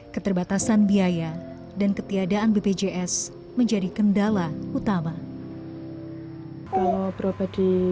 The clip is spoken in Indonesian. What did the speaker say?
keterbatasan biaya dan ketiadaan bpjs menjadi kendala utama kalau produk di